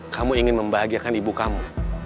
kamu ingin membahagiakan ibu kamu